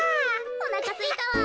おなかすいたわ。